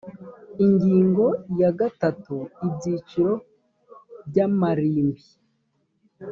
ingingo ya gatatu ibyiciro by amarimbi